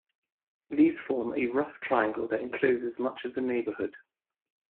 These form a rough triangle that encloses much of the neighbourhood.